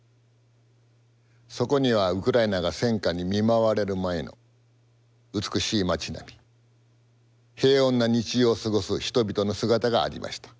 そこにはウクライナが戦禍に見舞われる前の美しい街並み平穏な日常を過ごす人々の姿がありました。